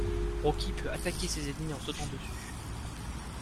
Rocky peut attaquer ses ennemis en sautant dessus.